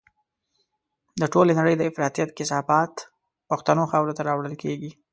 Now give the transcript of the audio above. د ټولې نړۍ د افراطيت کثافات پښتنو خاورو ته راوړل کېږي.